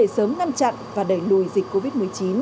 sớm ngăn chặn và đẩy lùi dịch covid một mươi chín